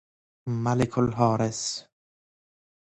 ملک الحارس